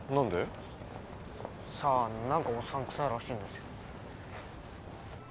さあなんかおっさんくさいらしいんですよ。